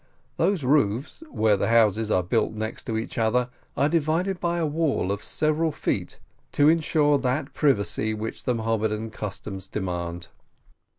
Those roofs, where houses are built next to each other, are divided by a wall of several feet, to insure that privacy which the Mahomedan customs demand.